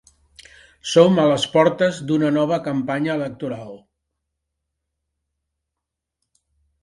Som a les portes d’una nova campanya electoral.